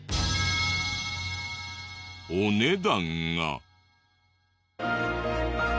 お値段が。